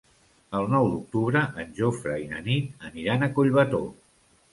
El nou d'octubre en Jofre i na Nit aniran a Collbató.